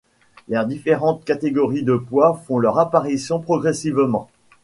Les différentes catégories de poids font leur apparition progressivement.